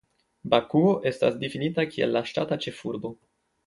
Bakuo estas difinita kiel la ŝtata ĉefurbo.